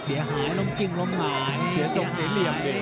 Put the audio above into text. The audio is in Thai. เสียหายล้มกิ๊งล้มไหม